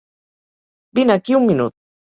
Vine aquí un minut.